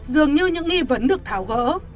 dường như những nghi vấn được tháo gỡ